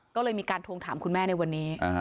ก็เลยมีการทวงถามคุณแม่ในวันนี้